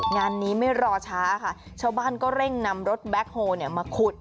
งานนี้ไม่รอช้าค่ะชาวบ้านก็เร่งนำรถแบ็คโฮลมาขุด